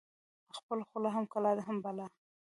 ـ خپله خوله هم کلا ده هم بلا ده.